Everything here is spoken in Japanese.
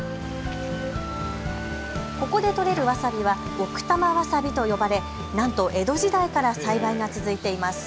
ここでとれるわさびは奥多摩わさびと呼ばれなんと江戸時代から栽培が続いています。